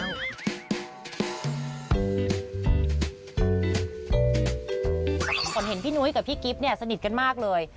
เห็นพี่นุ้ยกับพี่กิ๊บเนี่ยสนิทกันมากเลย